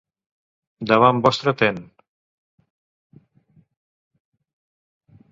Davant vostre ten